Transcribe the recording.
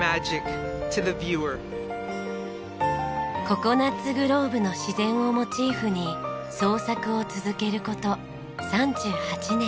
ココナッツグローブの自然をモチーフに創作を続ける事３８年。